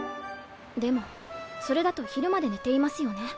でもそれだと昼まで寝ていますよね？